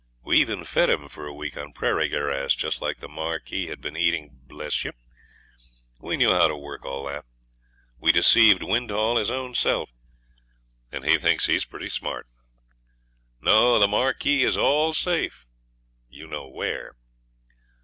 We even fed him for a week on prairie grass, just like the Marquis had been eating. Bless you, we knew how to work all that. We deceived Windhall his own self, and he thinks he's pretty smart. No! the Marquis is all safe you know where.'